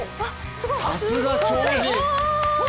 さすが超人！